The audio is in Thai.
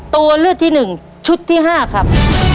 ตัวเลือกที่หนึ่งชุดที่ห้าครับ